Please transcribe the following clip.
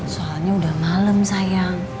soalnya udah malem sayang